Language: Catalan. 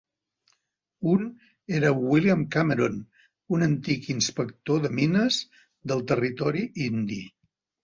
Un era William Cameron, un antic inspector de mines del territori indi.